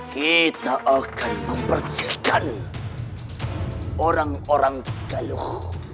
kita akan mempercihkan orang orang di galuh